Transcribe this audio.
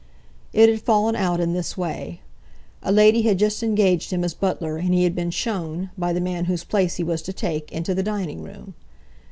It had fallen out in this way. A lady had just engaged him as butler, and he had been shown, by the man whose place he was to take, into the dining room.